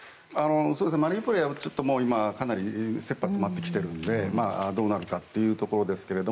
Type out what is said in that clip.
マリウポリは、今かなり切羽詰まってきているのでどうなるかというところですが。